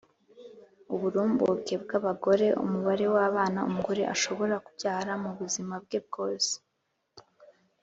uburumbuke bw 'abagore (umubare w'abana umugore ashobora kubyara mu buzima bwe bwose)